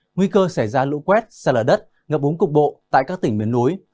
nguy cơ xảy ra lũ quét xe lở đất ngập búng cục bộ tại các tỉnh miền núi